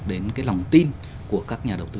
đến cái lòng tin của các nhà đầu tư